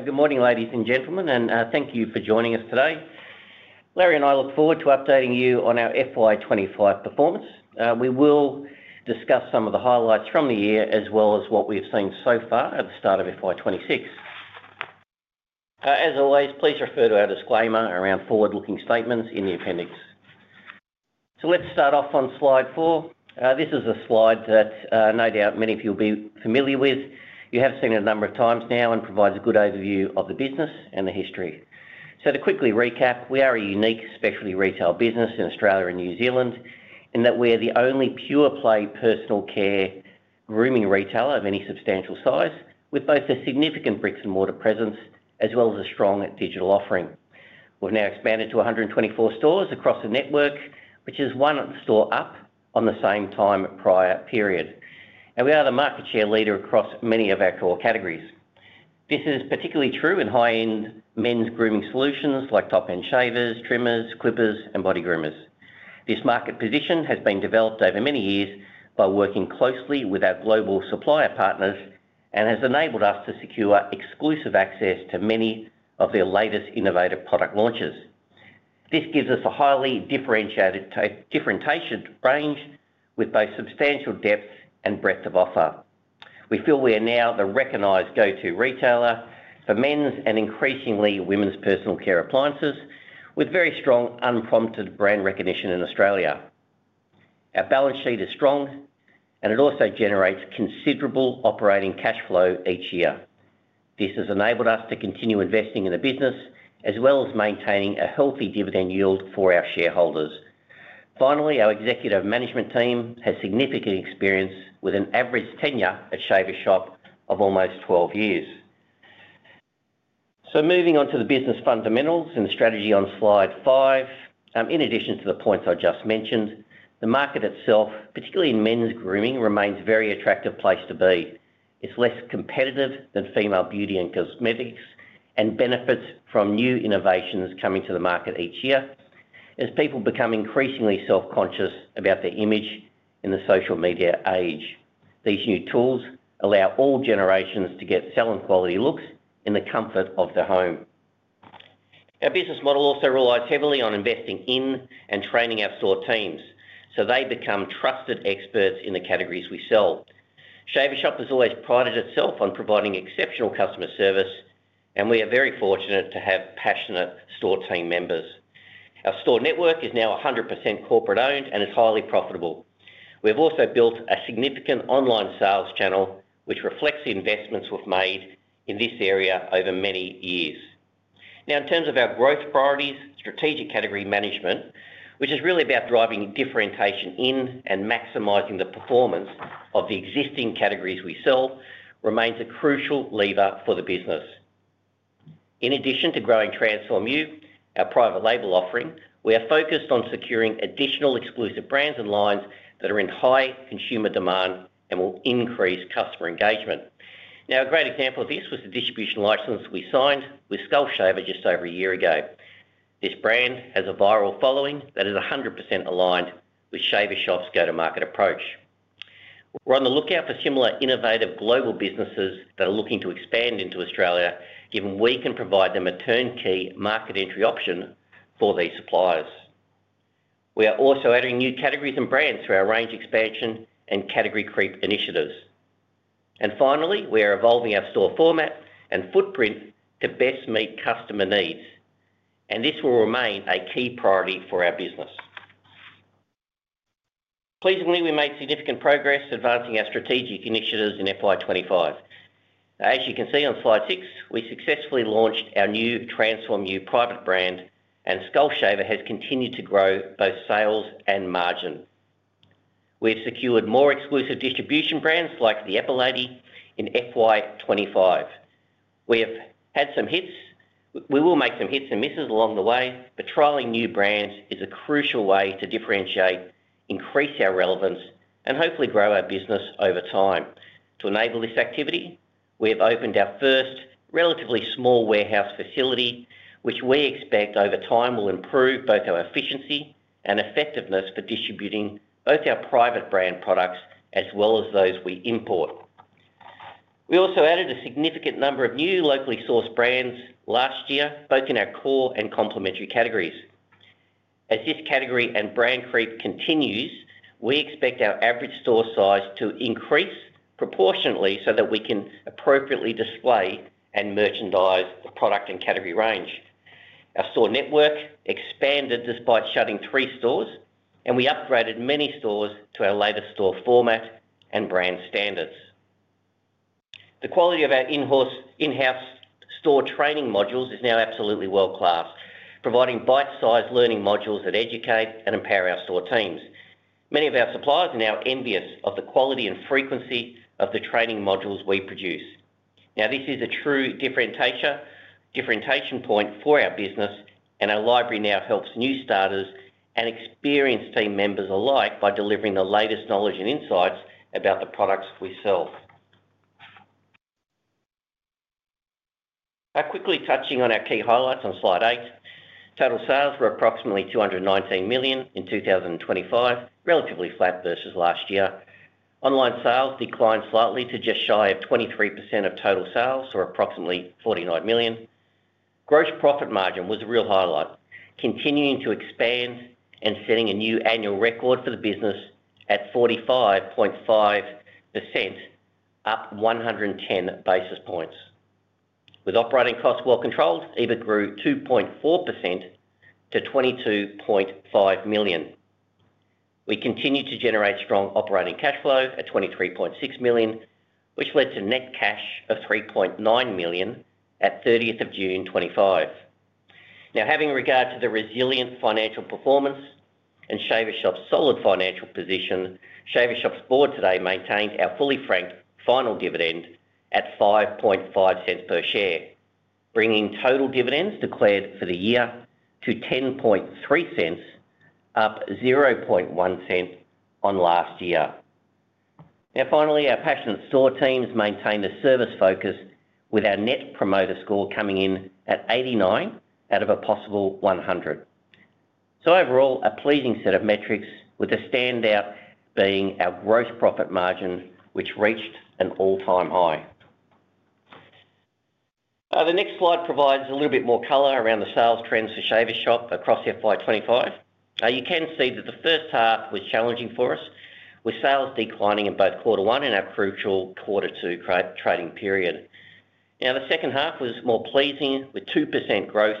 Good morning, ladies and gentlemen, and thank you for joining us today. Larry and I look forward to updating you on our FY 25 performance. We will discuss some of the highlights from the year, as well as what we've seen so far at the start of FY 26. As always, please refer to our disclaimer around forward-looking statements in the appendix. Let's start off on slide four. This is a slide that no doubt many of you will be familiar with. You have seen it a number of times now, and it provides a good overview of the business and the history. To quickly recap, we are a unique specialty retail business in Australia and New Zealand in that we're the only pure-play personal care grooming retailer of any substantial size, with both a significant bricks-and-mortar presence as well as a strong digital offering. We've now expanded to 124 stores across the network, which is one store up on the same time prior period. We are the market share leader across many of our core categories. This is particularly true in high-end men's grooming solutions like top-end shavers, trimmers, clippers, and body groomers. This market position has been developed over many years by working closely with our global supplier partners and has enabled us to secure exclusive access to many of their latest innovative product launches. This gives us a highly differentiated range with both substantial depth and breadth of offer. We feel we are now the recognized go-to retailer for men's and increasingly women's personal care appliances, with very strong unprompted brand recognition in Australia. Our balance sheet is strong, and it also generates considerable operating cash flow each year. This has enabled us to continue investing in the business as well as maintaining a healthy dividend yield for our shareholders. Finally, our executive management team has significant experience with an average tenure at Shaver Shop of almost 12 years. Moving on to the business fundamentals and strategy on slide five, in addition to the points I just mentioned, the market itself, particularly in men's grooming, remains a very attractive place to be. It's less competitive than female beauty and cosmetics and benefits from new innovations coming to the market each year as people become increasingly self-conscious about their image in the social media age. These new tools allow all generations to get salon quality looks in the comfort of their home. Our business model also relies heavily on investing in and training our store teams so they become trusted experts in the categories we sell. Shaver Shop has always prided itself on providing exceptional customer service, and we are very fortunate to have passionate store team members. Our store network is now 100% corporate owned and is highly profitable. We've also built a significant online sales channel, which reflects the investments we've made in this area over many years. Now, in terms of our growth priorities, strategic category management, which is really about driving differentiation in and maximizing the performance of the existing categories we sell, remains a crucial lever for the business. In addition to growing TRANSFORM-U, our private label offering, we are focused on securing additional exclusive brands and lines that are in high consumer demand and will increase customer engagement. Now, a great example of this was the distribution license we signed with Skull Shaver just over a year ago. This brand has a viral following that is 100% aligned with Shaver Shop's go-to-market approach. We're on the lookout for similar innovative global businesses that are looking to expand into Australia, given we can provide them a turnkey market entry option for these suppliers. We are also adding new categories and brands through our range expansion and category creep initiatives. Finally, we are evolving our store format and footprint to best meet customer needs, and this will remain a key priority for our business. Pleasingly, we made significant progress advancing our strategic initiatives in FY 25. As you can see on slide six, we successfully launched our new TRANSFORM-U private brand, and Skull Shaver has continued to grow both sales and margin. We've secured more exclusive distribution brands like Epilady in FY 25. We have had some hits. We will make some hits and misses along the way, but trialing new brands is a crucial way to differentiate, increase our relevance, and hopefully grow our business over time. To enable this activity, we have opened our first relatively small warehouse facility, which we expect over time will improve both our efficiency and effectiveness for distributing both our private brand products as well as those we import. We also added a significant number of new locally sourced brands last year, both in our core and complementary categories. As this category and brand creep continues, we expect our average store size to increase proportionately so that we can appropriately display and merchandise the product and category range. Our store network expanded despite shutting three stores, and we upgraded many stores to our latest store format and brand standards. The quality of our in-house store training modules is now absolutely world-class, providing bite-sized learning modules that educate and empower our store teams. Many of our suppliers are now envious of the quality and frequency of the training modules we produce. This is a true differentiation point for our business, and our library now helps new starters and experienced team members alike by delivering the latest knowledge and insights about the products we sell. Quickly touching on our key highlights on slide eight, total sales were approximately 219 million in 2025, relatively flat versus last year. Online sales declined slightly to just shy of 23% of total sales, or approximately 49 million. Gross profit margin was a real highlight, continuing to expand and setting a new annual record for the business at 45.5%, up 110 basis points. With operating costs well controlled, EBIT grew 2.4% to 22.5 million. We continued to generate strong operating cash flow at 23.6 million, which led to net cash of 3.9 million at June 30, 2025. Having regard to the resilient financial performance and Shaver Shop's solid financial position, Shaver Shop's board today maintained our fully franked final dividend at 0.055 per share, bringing total dividends declared for the year to 0.103, +0.001 on last year. Finally, our passionate store teams maintained a service focus with our net promoter score coming in at 89 out of a possible 100. Overall, a pleasing set of metrics with the standout being our gross profit margin, which reached an all-time high. The next slide provides a little bit more color around the sales trends for Shaver Shop across FY 25. You can see that the first half was challenging for us, with sales declining in both quarter one and our crucial quarter two trading period. The second half was more pleasing, with 2% growth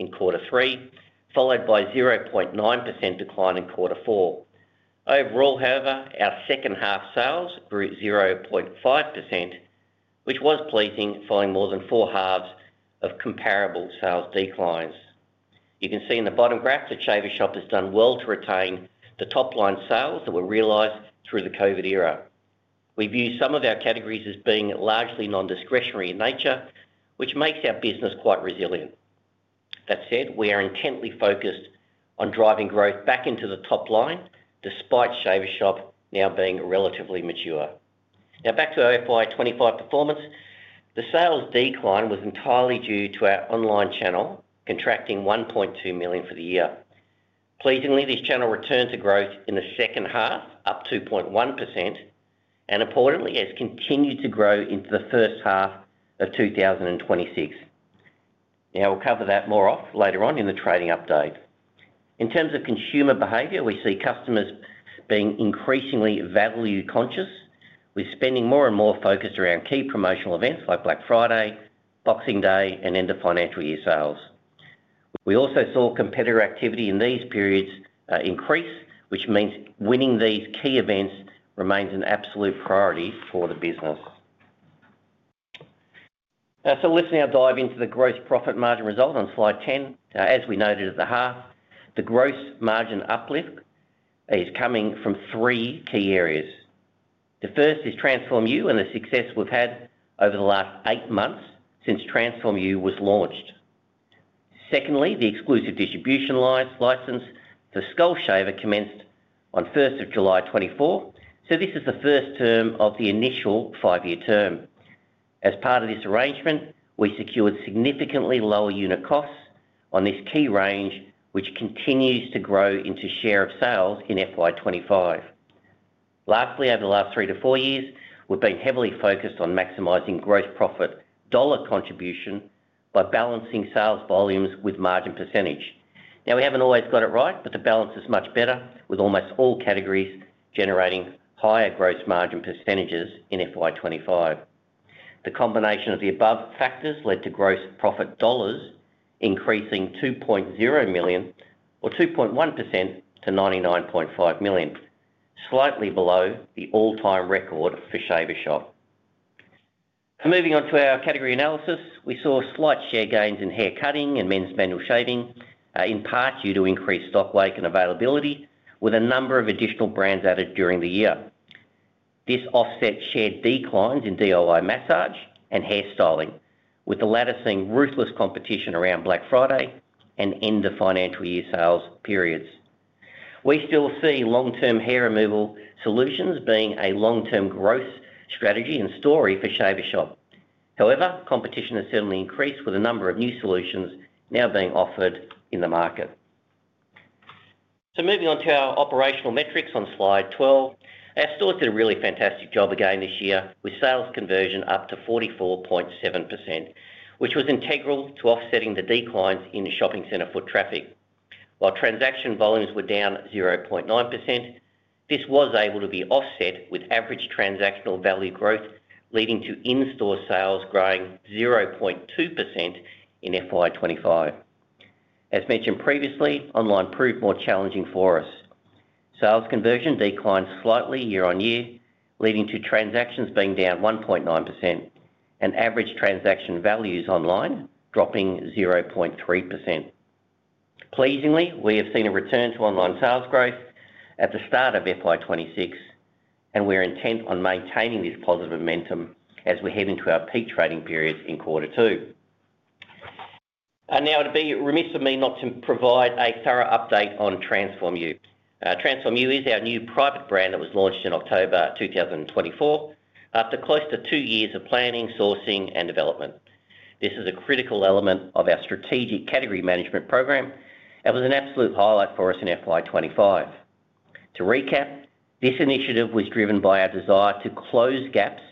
in quarter three, followed by a 0.9% decline in quarter four. Overall, however, our second half sales grew at 0.5%, which was pleasing, following more than four halves of comparable sales declines. You can see in the bottom graph that Shaver Shop has done well to retain the top line sales that were realized through the COVID era. We view some of our categories as being largely non-discretionary in nature, which makes our business quite resilient. That said, we are intently focused on driving growth back into the top line, despite Shaver Shop now being relatively mature. Now, back to our FY 25 performance, the sales decline was entirely due to our online channel contracting 1.2 million for the year. Pleasingly, this channel returned to growth in the second half, up 2.1%, and importantly, has continued to grow into the first half of 2026. We will cover that more later on in the trading update. In terms of consumer behavior, we see customers being increasingly value conscious, with spending more and more focused around key promotional events like Black Friday, Boxing Day, and end of financial year sales. We also saw competitor activity in these periods increase, which means winning these key events remains an absolute priority for the business. Let's now dive into the gross profit margin result on slide 10. As we noted at the half, the gross margin uplift is coming from three key areas. The first is TRANSFORM-U and the success we've had over the last eight months since TRANSFORM-U was launched. Secondly, the exclusive distribution agreement for Skull Shaver commenced on July 1, 2024, so this is the first term of the initial five-year term. As part of this arrangement, we secured significantly lower unit costs on this key range, which continues to grow into share of sales in FY 25. Lastly, over the last three to four years, we've been heavily focused on maximizing gross profit dollar contribution by balancing sales volumes with margin percentage. We haven't always got it right, but the balance is much better, with almost all categories generating higher gross margin percentages in FY 25. The combination of the above factors led to gross profit dollars increasing 2.0 million or 2.1% to 99.5 million, slightly below the all-time record for Shaver Shop. Moving on to our category analysis, we saw slight share gains in hair cutting and men's manual shaving, in part due to increased stock weight and availability, with a number of additional brands added during the year. This offset share declines in DIY massage and hair styling, with the latter seeing ruthless competition around Black Friday and end of financial year sales periods. We still see long-term hair removal solutions being a long-term growth strategy and story for Shaver Shop. However, competition has certainly increased with a number of new solutions now being offered in the market. Moving on to our operational metrics on slide 12, our stores did a really fantastic job again this year with sales conversion up to 44.7%, which was integral to offsetting the declines in the shopping centre foot traffic. While transaction volumes were down 0.9%, this was able to be offset with average transactional value growth, leading to in-store sales growing 0.2% in FY 25. As mentioned previously, online proved more challenging for us. Sales conversion declined slightly year-on-year, leading to transactions being down 1.9% and average transaction values online dropping 0.3%. Pleasingly, we have seen a return to online sales growth at the start of FY 26, and we're intent on maintaining this positive momentum as we head into our peak trading periods in quarter two. It would be remiss of me not to provide a thorough update on TRANSFORM-U. TRANSFORM-U is our new private label brand that was launched in October 2024 after close to two years of planning, sourcing, and development. This is a critical element of our strategic category management program and was an absolute highlight for us in FY 25. To recap, this initiative was driven by our desire to close gaps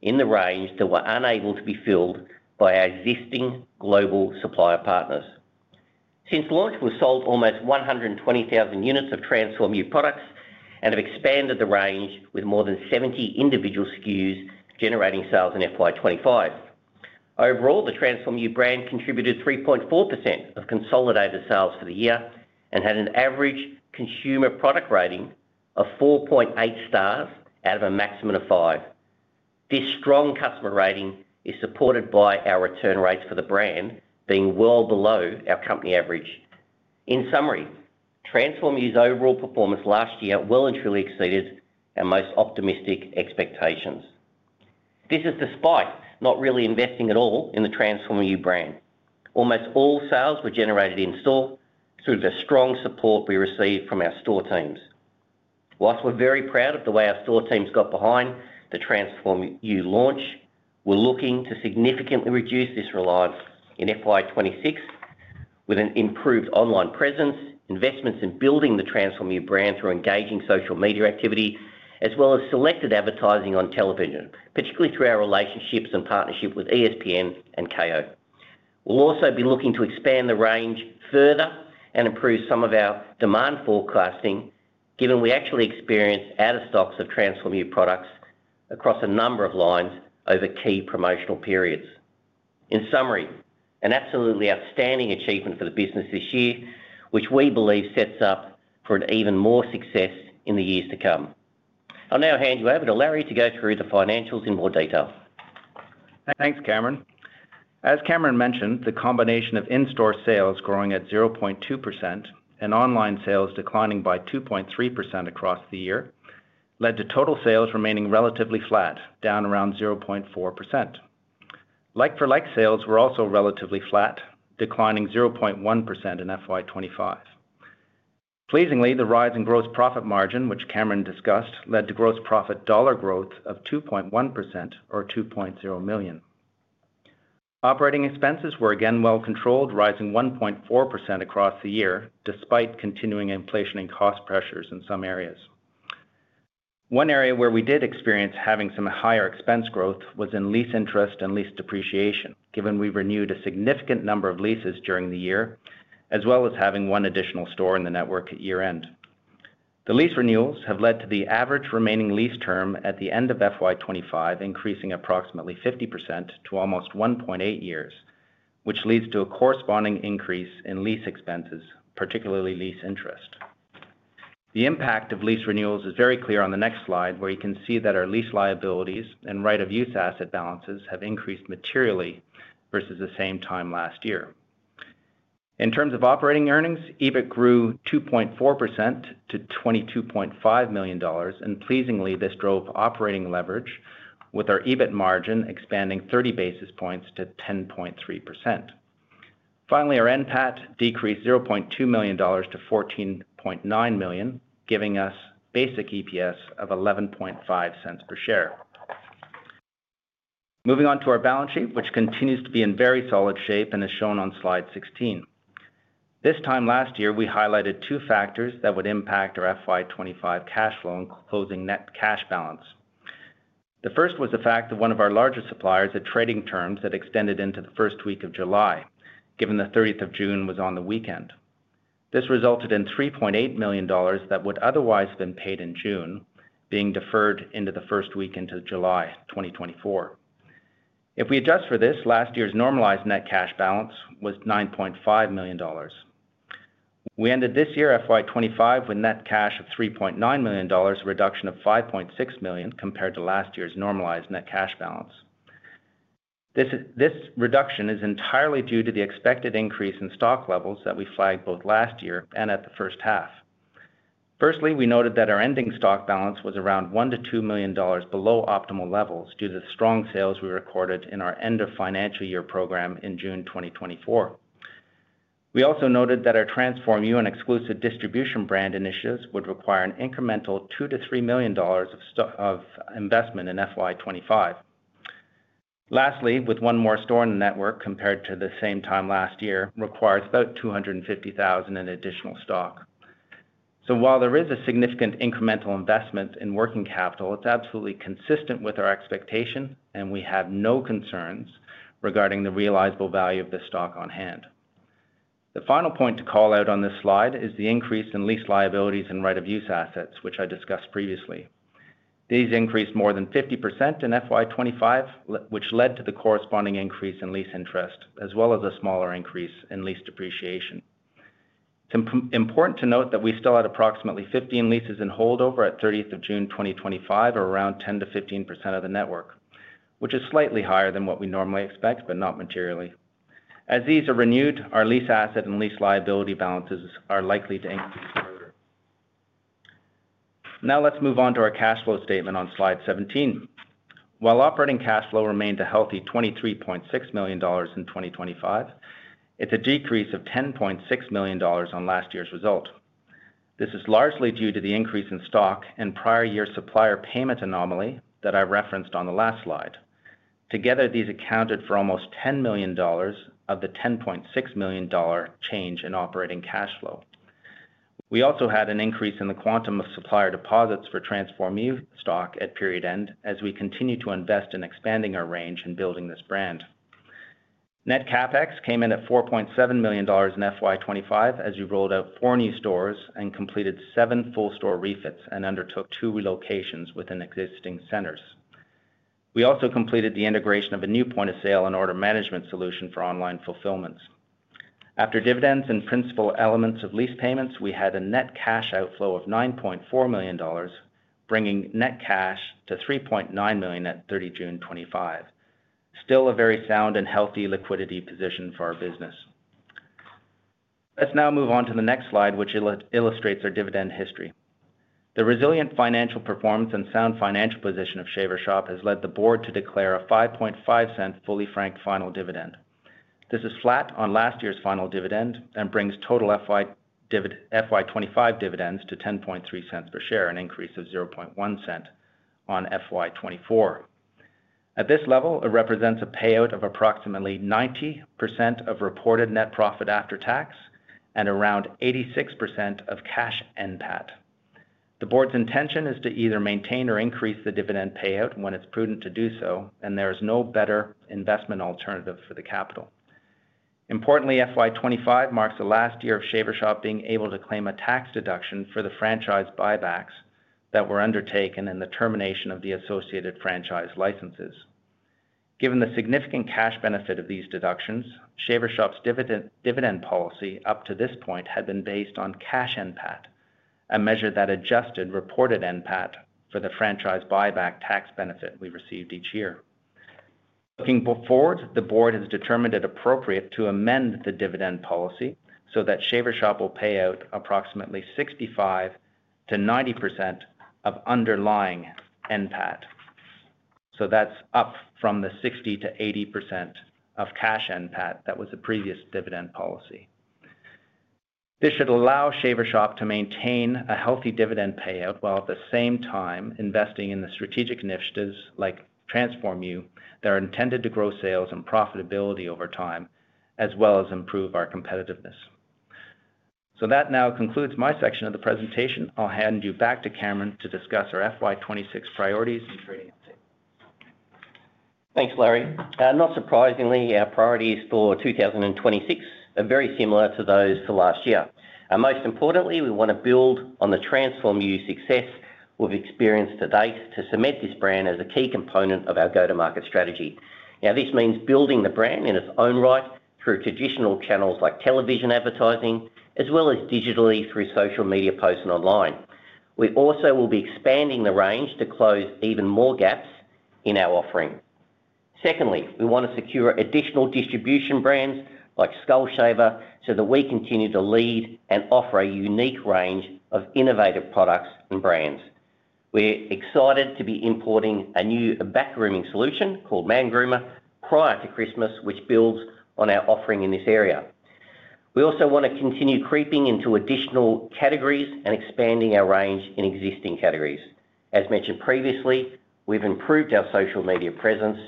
in the range that were unable to be filled by our existing global supplier partners. Since launch, we've sold almost 120,000 units of TRANSFORM-U products and have expanded the range with more than 70 individual SKUs generating sales in FY 25. Overall, the TRANSFORM-U brand contributed 3.4% of consolidated sales for the year and had an average consumer product rating of 4.8 stars out of a maximum of five. This strong customer rating is supported by our return rates for the brand being well below our company average. In summary, TRANSFORM-U's overall performance last year well and truly exceeded our most optimistic expectations. This is despite not really investing at all in the TRANSFORM-U brand. Almost all sales were generated in-store through the strong support we received from our store teams. Whilst we're very proud of the way our store teams got behind the TRANSFORM-U launch, we're looking to significantly reduce this reliance in FY 26 with an improved online presence, investments in building the TRANSFORM-U brand through engaging social media activity, as well as selected advertising on television, particularly through our relationships and partnership with ESPN and Kayo. We'll also be looking to expand the range further and improve some of our demand forecasting, given we actually experienced out-of-stocks of TRANSFORM-U products across a number of lines over key promotional periods. In summary, an absolutely outstanding achievement for the business this year, which we believe sets up for even more success in the years to come. I'll now hand you over to Larry to go through the financials in more detail. Thanks, Cameron. As Cameron mentioned, the combination of in-store sales growing at 0.2% and online sales declining by 2.3% across the year led to total sales remaining relatively flat, down around 0.4%. Like-for-like sales were also relatively flat, declining 0.1% in FY 25. Pleasingly, the rise in gross profit margin, which Cameron discussed, led to gross profit dollar growth of 2.1% or 2.0 million. Operating expenses were again well controlled, rising 1.4% across the year, despite continuing inflation and cost pressures in some areas. One area where we did experience having some higher expense growth was in lease interest and lease depreciation, given we renewed a significant number of leases during the year, as well as having one additional store in the network at year-end. The lease renewals have led to the average remaining lease term at the end of FY 25 increasing approximately 50% to almost 1.8 years, which leads to a corresponding increase in lease expenses, particularly lease interest. The impact of lease renewals is very clear on the next slide, where you can see that our lease liabilities and right-of-use asset balances have increased materially versus the same time last year. In terms of operating earnings, EBIT grew 2.4% to 22.5 million dollars, and pleasingly, this drove operating leverage, with our EBIT margin expanding 30 basis points to 10.3%. Finally, our NPAT decreased 0.2 million dollars to 14.9 million, giving us basic EPS of 0.115 per share. Moving on to our balance sheet, which continues to be in very solid shape and is shown on slide 16. This time last year, we highlighted two factors that would impact our FY 25 cash flow and closing net cash balance. The first was the fact that one of our largest suppliers had trading terms that extended into the first week of July, given the 30th of June was on the weekend. This resulted in 3.8 million dollars that would otherwise have been paid in June, being deferred into the first week into July 2024. If we adjust for this, last year's normalised net cash balance was 9.5 million dollars. We ended this year FY 25 with net cash of 3.9 million dollars, a reduction of 5.6 million compared to last year's normalised net cash balance. This reduction is entirely due to the expected increase in stock levels that we flagged both last year and at the first half. Firstly, we noted that our ending stock balance was around 1 million-2 million dollars below optimal levels due to the strong sales we recorded in our end of financial year program in June 2024. We also noted that our TRANSFORM-U and exclusive distribution brand initiatives would require an incremental 2 million-3 million dollars of investment in FY 25. Lastly, with one more store in the network compared to the same time last year, it requires about 250,000 in additional stock. While there is a significant incremental investment in working capital, it's absolutely consistent with our expectation, and we have no concerns regarding the realisable value of this stock on hand. The final point to call out on this slide is the increase in lease liabilities and right-of-use assets, which I discussed previously. These increased more than 50% in FY 25, which led to the corresponding increase in lease interest, as well as a smaller increase in lease depreciation. It's important to note that we still had approximately 15 leases in holdover at 30 June 2025, or around 10%-15% of the network, which is slightly higher than what we normally expect, but not materially. As these are renewed, our lease asset and lease liability balances are likely to increase further. Now, let's move on to our cash flow statement on slide 17. While operating cash flow remained a healthy 23.6 million dollars in 2025, it's a decrease of 10.6 million dollars on last year's result. This is largely due to the increase in stock and prior year supplier payment anomaly that I referenced on the last slide. Together, these accounted for almost 10 million dollars of the 10.6 million dollar change in operating cash flow. We also had an increase in the quantum of supplier deposits for TRANSFORM-U stock at period end, as we continue to invest in expanding our range and building this brand. Net CapEx came in at 4.7 million dollars in FY 25, as you rolled out four new stores and completed seven full store refits and undertook two relocations within existing centres. We also completed the integration of a new point of sale and order management solution for online fulfilments. After dividends and principal elements of lease payments, we had a net cash outflow of 9.4 million dollars, bringing net cash to 3.9 million at 30 June 2025. Still a very sound and healthy liquidity position for our business. Let's now move on to the next slide, which illustrates our dividend history. The resilient financial performance and sound financial position of Shaver Shop Group Limited has led the board to declare a 0.055 fully franked final dividend. This is flat on last year's final dividend and brings total FY 25 dividends to 0.103 per share, an increase of 0.001 on FY 24. At this level, it represents a payout of approximately 90% of reported net profit after tax and around 86% of cash NPAT. The board's intention is to either maintain or increase the dividend payout when it's prudent to do so, and there is no better investment alternative for the capital. Importantly, FY 25 marks the last year of Shaver Shop being able to claim a tax deduction for the franchise buybacks that were undertaken and the termination of the associated franchise licenses. Given the significant cash benefit of these deductions, Shaver Shop's dividend policy up to this point had been based on cash NPAT, a measure that adjusted reported NPAT for the franchise buyback tax benefit we received each year. Looking forward, the board has determined it appropriate to amend the dividend policy so that Shaver Shop will pay out approximately 65%-90% of underlying NPAT. That is up from the 60%-80% of cash NPAT that was the previous dividend policy. This should allow Shaver Shop Group Limited to maintain a healthy dividend payout while at the same time investing in the strategic initiatives like TRANSFORM-U that are intended to grow sales and profitability over time, as well as improve our competitiveness. That now concludes my section of the presentation. I'll hand you back to Cameron Fox to discuss our FY 26 priorities. Thanks, Larry. Not surprisingly, our priorities for 2026 are very similar to those for last year. Most importantly, we want to build on the TRANSFORM-U success we've experienced to date to cement this brand as a key component of our go-to-market strategy. This means building the brand in its own right through traditional channels like television advertising, as well as digitally through social media posts and online. We also will be expanding the range to close even more gaps in our offering. Secondly, we want to secure additional distribution brands like Skull Shaver so that we continue to lead and offer a unique range of innovative products and brands. We're excited to be importing a new back grooming solution called MANGROOMER prior to Christmas, which builds on our offering in this area. We also want to continue creeping into additional categories and expanding our range in existing categories. As mentioned previously, we've improved our social media presence,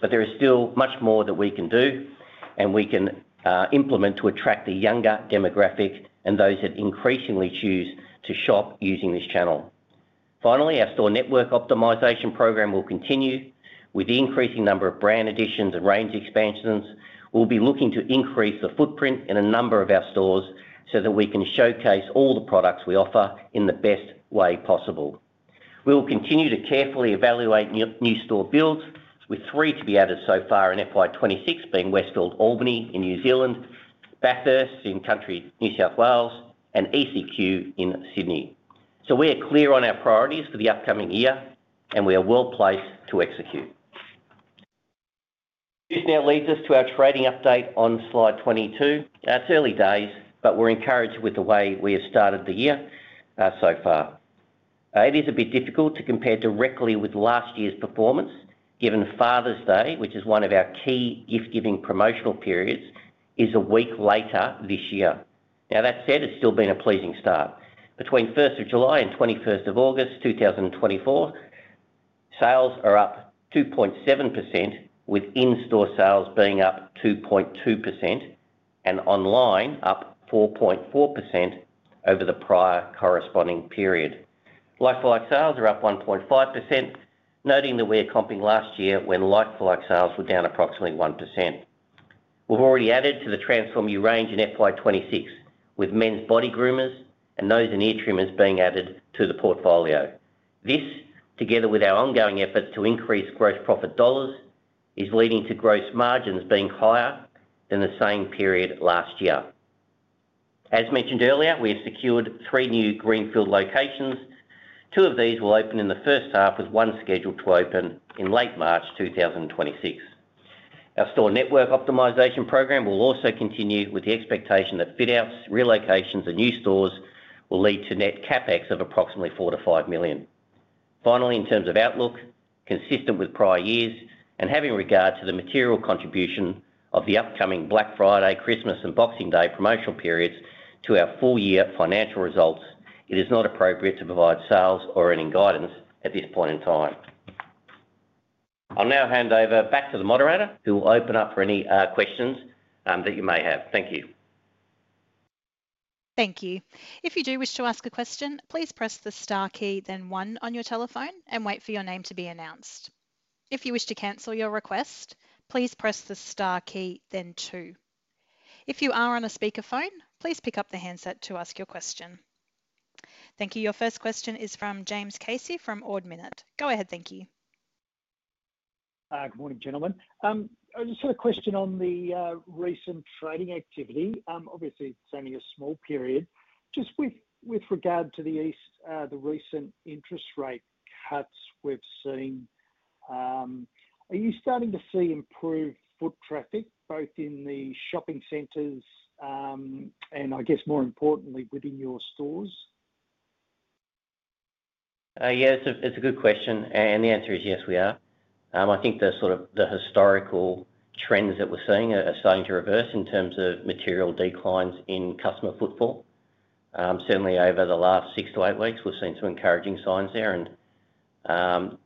but there is still much more that we can do and we can implement to attract the younger demographic and those that increasingly choose to shop using this channel. Finally, our store network optimization program will continue with the increasing number of brand additions and range expansions. We'll be looking to increase the footprint in a number of our stores so that we can showcase all the products we offer in the best way possible. We will continue to carefully evaluate new store builds, with three to be added so far in FY 26, being Westfield Albany in New Zealand, Bathurst in Country New South Wales, and ECQ in Sydney. We are clear on our priorities for the upcoming year, and we are well placed to execute. This now leads us to our trading update on slide 22. It's early days, but we're encouraged with the way we have started the year so far. It is a bit difficult to compare directly with last year's performance, given Father's Day, which is one of our key gift-giving promotional periods, is a week later this year. That said, it's still been a pleasing start. Between 1st of July and 21st of August 2024, sales are +2.7%, with in-store sales being +2.2% and online +4.4% over the prior corresponding period. Like-for-like sales are +1.5%, noting that we're comping last year when like-for-like sales were down approximately 1%. We've already added to the TRANSFORM-U range in FY 26, with men's body groomers and nose and ear trimmers being added to the portfolio. This, together with our ongoing efforts to increase gross profit dollars, is leading to gross margins being higher than the same period last year. As mentioned earlier, we have secured three new Greenfield locations. Two of these will open in the first half, with one scheduled to open in late March 2026. Our store network optimization program will also continue, with the expectation that fit-outs, relocations, and new stores will lead to net CapEx of approximately 4-5 million. Finally, in terms of outlook, consistent with prior years and having regard to the material contribution of the upcoming Black Friday, Christmas, and Boxing Day promotional periods to our full year financial results, it is not appropriate to provide sales or any guidance at this point in time. I'll now hand over back to the moderator, who will open up for any questions that you may have. Thank you. Thank you. If you do wish to ask a question, please press the star key, then one on your telephone and wait for your name to be announced. If you wish to cancel your request, please press the star key, then two. If you are on a speakerphone, please pick up the handset to ask your question. Thank you. Your first question is from James Casey from Ord Minnett. Go ahead, thank you. Good morning, gentlemen. I just had a question on the recent trading activity, obviously spanning a small period. Just with regard to the recent interest rate cuts we've seen, are you starting to see improved foot traffic both in the shopping centers and, I guess, more importantly, within your stores? Yeah, it's a good question, and the answer is yes, we are. I think the sort of historical trends that we're seeing are starting to reverse in terms of material declines in customer footfall. Certainly, over the last six to eight weeks, we've seen some encouraging signs there, and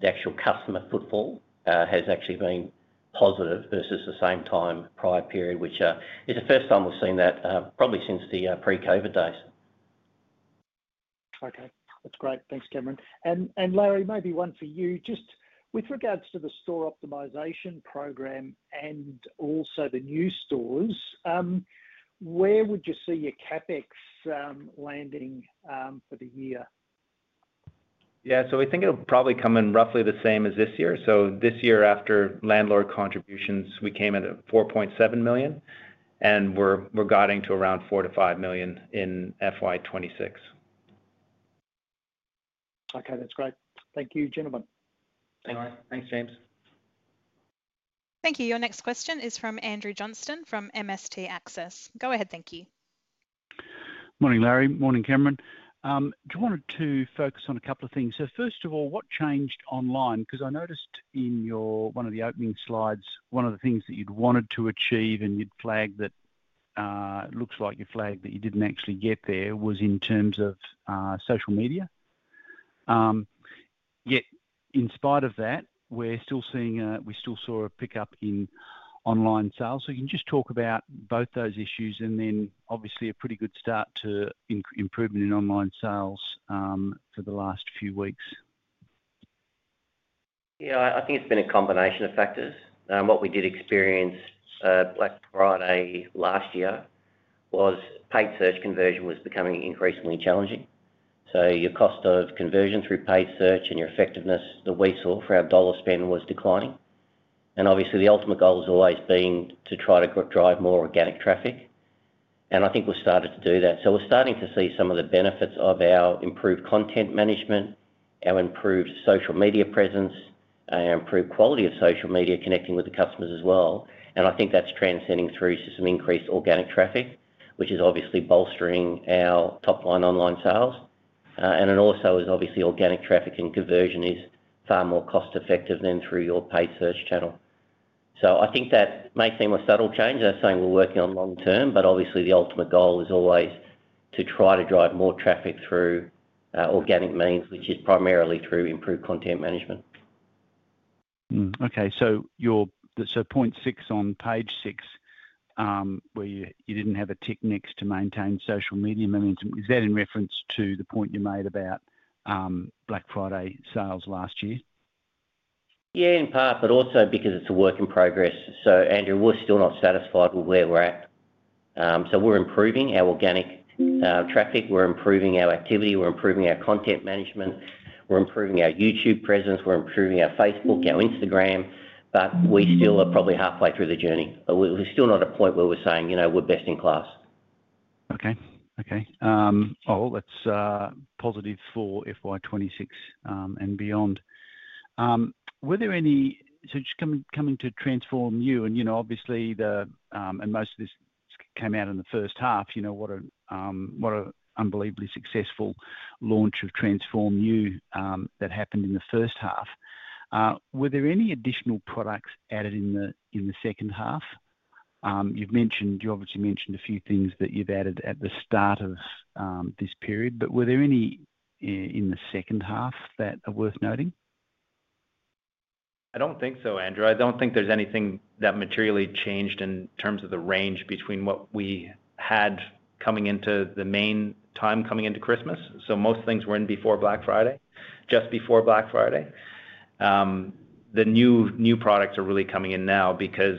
the actual customer footfall has actually been positive versus the same time prior period, which is the first time we've seen that probably since the pre-COVID days. Okay, that's great. Thanks, Cameron. Larry, maybe one for you. Just with regards to the store optimization program and also the new stores, where would you see your CapEx landing for the year? Yeah, we think it'll probably come in roughly the same as this year. This year, after landlord contributions, we came in at 4.7 million, and we're guiding to around AUD4-AUD 5 million in FY 2026. Okay, that's great. Thank you, gentlemen. Thanks, James. Thank you. Your next question is from Andrew Johnston from MST Access. Go ahead, thank you. Morning, Larry. Morning, Cameron. I wanted to focus on a couple of things. First of all, what changed online? I noticed in one of the opening slides, one of the things that you'd wanted to achieve and you'd flagged that, it looks like you flagged that you didn't actually get there, was in terms of social media. Yet, in spite of that, we're still seeing a pickup in online sales. Can you just talk about both those issues and obviously a pretty good start to improvement in online sales for the last few weeks? Yeah, I think it's been a combination of factors. What we did experience Black Friday last year was paid search conversion was becoming increasingly challenging. Your cost of conversion through paid search and your effectiveness, the result for our dollar spend was declining. Obviously, the ultimate goal has always been to try to drive more organic traffic. I think we've started to do that. We're starting to see some of the benefits of our improved content management, our improved social media presence, our improved quality of social media connecting with the customers as well. I think that's transcending through to some increased organic traffic, which is obviously bolstering our top line online sales. It also is obviously organic traffic and conversion is far more cost-effective than through your paid search channel. I think that may seem a subtle change as I'm saying we're working on long term, but obviously the ultimate goal is always to try to drive more traffic through organic means, which is primarily through improved content management. Okay, so on 0.6 on page six, where you didn't have a tick next to maintain social media management, is that in reference to the point you made about Black Friday sales last year? Yeah, in part, because it's a work in progress. Andrew, we're still not satisfied with where we're at. We're improving our organic traffic, we're improving our activity, we're improving our content management, we're improving our YouTube presence, we're improving our Facebook, our Instagram, but we still are probably halfway through the journey. We're still not at a point where we're saying, you know, we're best in class. Okay. Let's pause it for FY 26 and beyond. Were there any, just coming to TRANSFORM-U, and you know, obviously the, and most of this came out in the first half, you know, what an unbelievably successful launch of TRANSFORM-U that happened in the first half. Were there any additional products added in the second half? You mentioned, you obviously mentioned a few things that you've added at the start of this period, but were there any in the second half that are worth noting? I don't think so, Andrew. I don't think there's anything that materially changed in terms of the range between what we had coming into the main time coming into Christmas. Most things were in before Black Friday, just before Black Friday. The new products are really coming in now because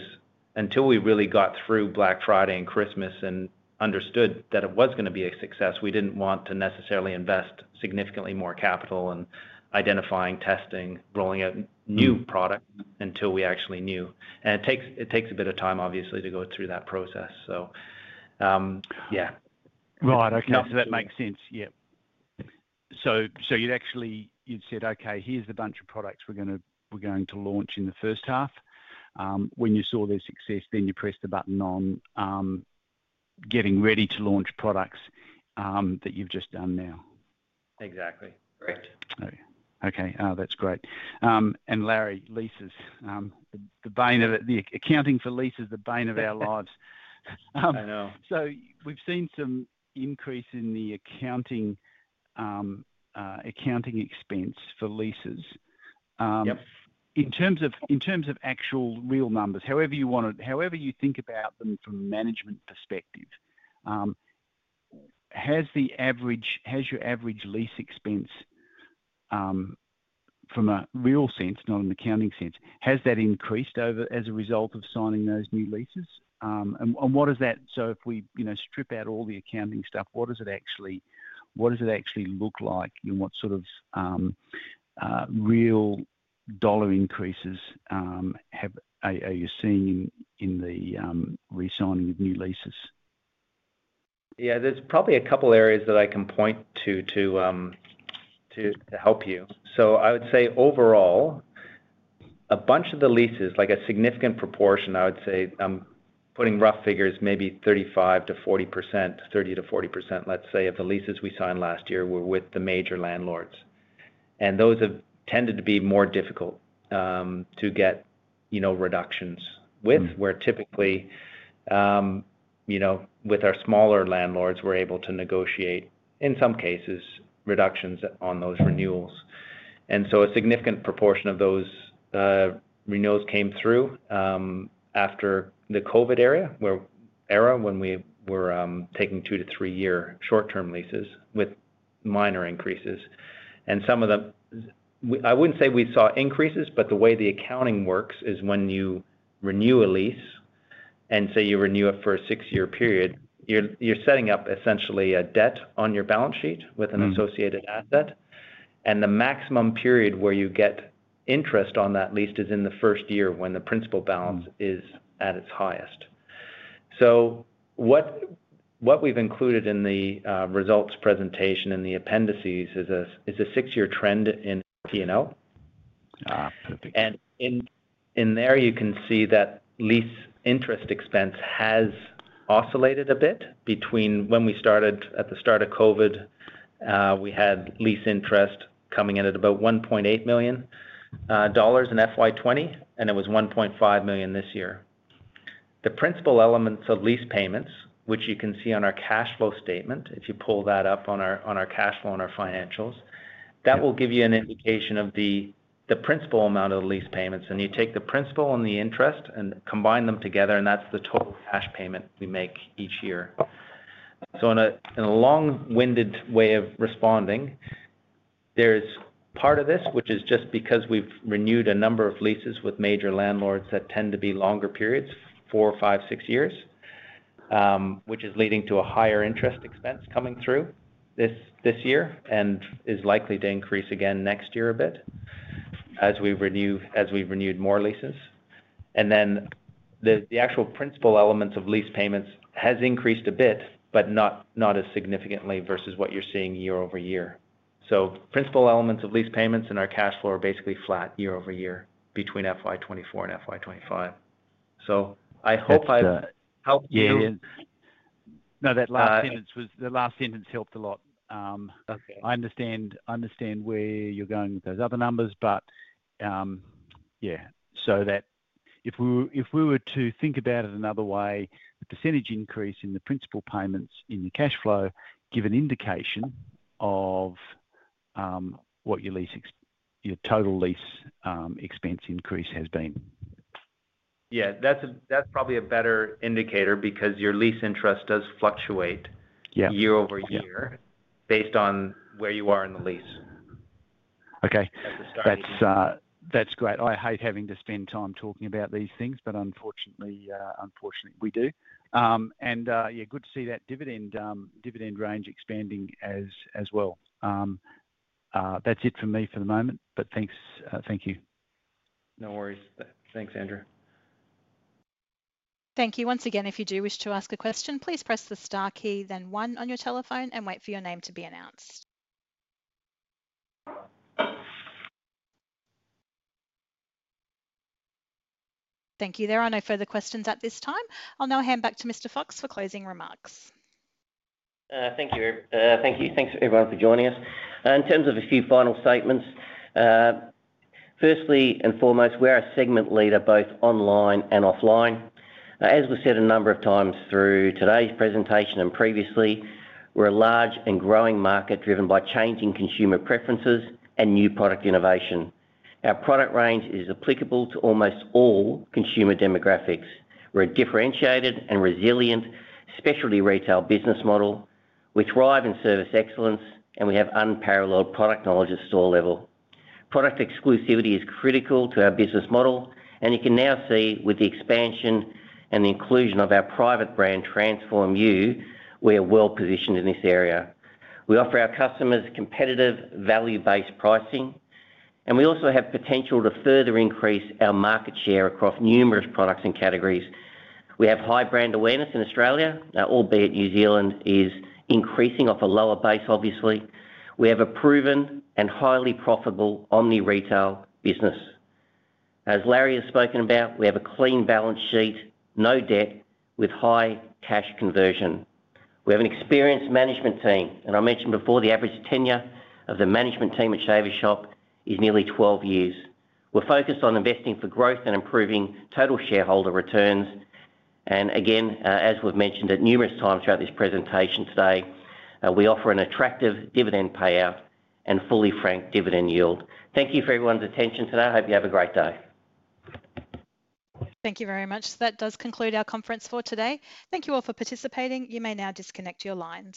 until we really got through Black Friday and Christmas and understood that it was going to be a success, we didn't want to necessarily invest significantly more capital in identifying, testing, rolling out new products until we actually knew. It takes a bit of time, obviously, to go through that process. Yeah. Right, okay, that makes sense, yeah. You'd said, okay, here's the bunch of products we're going to launch in the first half. When you saw their success, you pressed the button on getting ready to launch products that you've just done now. Exactly, correct. Okay, that's great. Larry, leases, the bane of it, the accounting for leases, the bane of our lives. I know. We've seen some increase in the accounting expense for leases. Yep. In terms of actual real numbers, however you want to, however you think about them from a management perspective, has your average lease expense, from a real sense, not an accounting sense, has that increased as a result of signing those new leases? If we strip out all the accounting stuff, what does it actually look like and what sort of real dollar increases are you seeing in the resigning of new leases? Yeah, there's probably a couple of areas that I can point to to help you. I would say overall, a bunch of the leases, like a significant proportion, I would say, I'm putting rough figures, maybe 35%-40%, 30%-40%, let's say, of the leases we signed last year were with the major landlords. Those have tended to be more difficult to get, you know, reductions with, where typically, you know, with our smaller landlords, we're able to negotiate, in some cases, reductions on those renewals. A significant proportion of those renewals came through after the COVID era, when we were taking two to three-year short-term leases with minor increases. Some of them, I wouldn't say we saw increases, but the way the accounting works is when you renew a lease, and say you renew it for a six-year period, you're setting up essentially a debt on your balance sheet with an associated asset. The maximum period where you get interest on that lease is in the first year when the principal balance is at its highest. What we've included in the results presentation in the appendices is a six-year trend in P&L. In there, you can see that lease interest expense has oscillated a bit between when we started at the start of COVID, we had lease interest coming in at about 1.8 million dollars in FY 20, and it was 1.5 million this year. The principal elements of lease payments, which you can see on our cash flow statement, if you pull that up on our cash flow and our financials, that will give you an indication of the principal amount of the lease payments. You take the principal and the interest and combine them together, and that's the total cash payment we make each year. In a long-winded way of responding, there's part of this, which is just because we've renewed a number of leases with major landlords that tend to be longer periods, four, five, six years, which is leading to a higher interest expense coming through this year and is likely to increase again next year a bit as we've renewed more leases. The actual principal elements of lease payments have increased a bit, but not as significantly versus what you're seeing year over year. Principal elements of lease payments in our cash flow are basically flat year over year between FY 24 and FY 25. I hope I've helped you. Yeah, that last sentence helped a lot. I understand where you're going with those other numbers, so if we were to think about it another way, the percentage increase in the principal payments in your cash flow gives an indication of what your total lease expense increase has been. Yeah, that's probably a better indicator because your lease interest does fluctuate year over year based on where you are in the lease. Okay, that's great. I hate having to spend time talking about these things, but unfortunately, we do. Yeah, good to see that dividend range expanding as well. That's it for me for the moment, but thanks, thank you. No worries, thanks Andrew. Thank you. Once again, if you do wish to ask a question, please press the star key, then one on your telephone, and wait for your name to be announced. Thank you. There are no further questions at this time. I'll now hand back to Mr. Fox for closing remarks. Thank you. Thanks everyone for joining us. In terms of a few final statements, firstly and foremost, we're a segment leader both online and offline. As we've said a number of times through today's presentation and previously, we're a large and growing market driven by changing consumer preferences and new product innovation. Our product range is applicable to almost all consumer demographics. We're a differentiated and resilient specialty retail business model. We thrive in service excellence, and we have unparalleled product knowledge at store level. Product exclusivity is critical to our business model, and you can now see with the expansion and the inclusion of our private label brand TRANSFORM-U, we are well positioned in this area. We offer our customers competitive value-based pricing, and we also have potential to further increase our market share across numerous products and categories. We have high brand awareness in Australia, albeit New Zealand is increasing off a lower base, obviously. We have a proven and highly profitable omni-channel retail business. As Larry Hamson has spoken about, we have a clean balance sheet, no debt, with high cash conversion. We have an experienced management team, and I mentioned before the average tenure of the management team at Shaver Shop Group Limited is nearly 12 years. We're focused on investing for growth and improving total shareholder returns. As we've mentioned at numerous times throughout this presentation today, we offer an attractive dividend payout and fully franked dividend yield. Thank you for everyone's attention today. I hope you have a great day. Thank you very much. That does conclude our conference for today. Thank you all for participating. You may now disconnect your line.